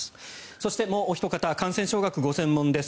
そしてもうおひと方感染症学がご専門です